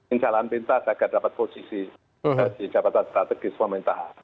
injalan pintas agar dapat posisi di jabatan strategis meminta